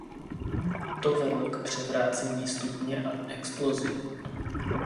To vedlo k převrácení stupně a explozi.